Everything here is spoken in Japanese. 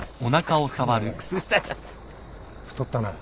太ったな。